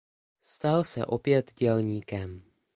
Stal se opět dělníkem.